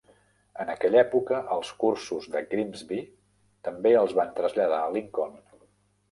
En aquella època, els cursos de Grimsby també els van traslladar a Lincoln.